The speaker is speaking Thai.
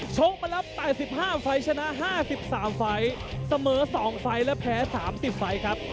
ชกมารับ๘๕ฝ่ายชนะ๕๓ฝ่ายเสมอ๒ฝ่ายแล้วแพ้๓๐ฝ่ายครับ